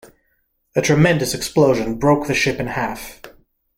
A tremendous explosion broke the ship in half.